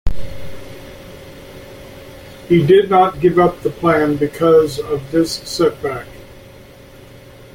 He did not give up the plan because of this setback.